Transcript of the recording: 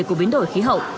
của biến đổi khí hậu